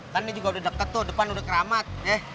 kan ini juga udah deket tuh depan udah keramat